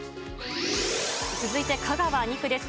続いて香川２区です。